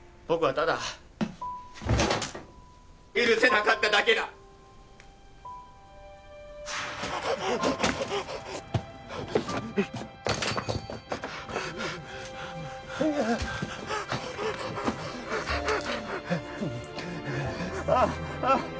僕はただ許せなかっただけだあっあっ